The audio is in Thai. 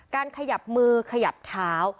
ขยับมือขยับเท้า